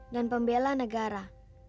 dan pembela negara